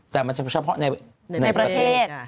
แต่มันเฉพาะในประเทศ